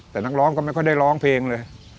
แต่นักร้องก็ไม่ค่อยได้ร้องเพลงเลย